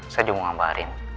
saya juga mau ngambarin